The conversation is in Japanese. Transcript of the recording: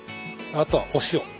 あとお塩。